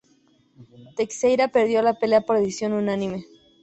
Teixeira perdió la pelea por decisión unánime.